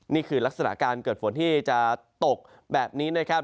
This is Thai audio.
นี่คือลักษณะการเกิดฝนที่จะตกแบบนี้นะครับ